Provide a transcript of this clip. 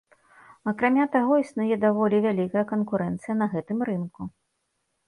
Акрамя таго існуе даволі вялікая канкурэнцыя на гэтым рынку.